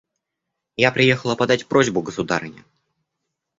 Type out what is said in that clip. Я приехала подать просьбу государыне.